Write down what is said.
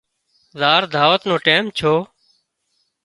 زار دعوت نو ٽيم ڇو